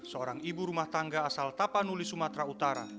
seorang ibu rumah tangga asal tapanuli sumatera utara